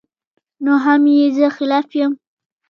نو هم ئې زۀ خلاف يم